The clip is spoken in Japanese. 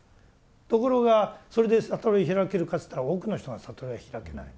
ところがそれで悟り開けるかといったら多くの人が悟りは開けない。